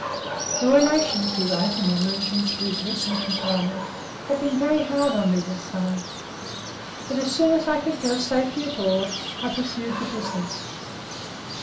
"Your relations," he wrote, in allusion to his recent confinement, "have been very hard on me this last summer. Yet, as soon as I could go safely abroad, I pursued the business."